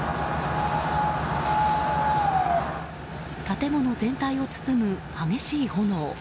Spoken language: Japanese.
建物全体を包む激しい炎。